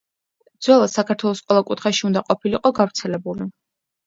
ძველად საქართველოს ყველა კუთხეში უნდა ყოფილიყო გავრცელებული.